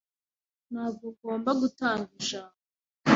Ntabwo ngomba gutanga ijambo.